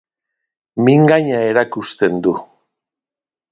Mingaina erakusten du.